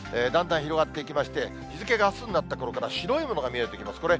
だんだん広がっていきまして、日付があすになったころから、白いものが見えてきます。